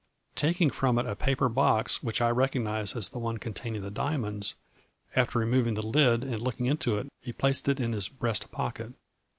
Taking from it a paper box which I recognized as the one containing the diamonds, after re moving the lid and looking into it he placed it A FLUBBY JN DIAMONDS. 113 in his breast pocket.